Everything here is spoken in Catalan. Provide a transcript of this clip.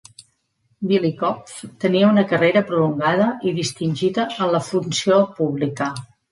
Billikopf tenia una carrera prolongada i distingida en la funció pública.